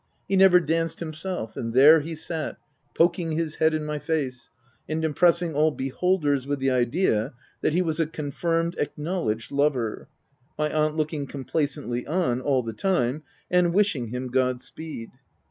He never danced himself, and there he sat, poking his head in my face, and impressing all beholders with the idea that he was a confirmed, acknowledged lover ; my aunt looking complacently on, all the time, and wishing him God speed.